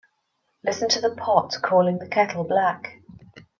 Listen to the pot calling the kettle black.